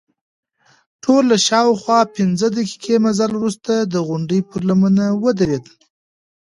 موټر له شاوخوا پنځه دقیقې مزل وروسته د غونډۍ پر لمنه ودرید.